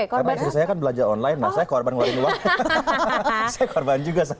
karena istri saya kan belanja online nah saya korban ngeluarin uang saya korban juga sama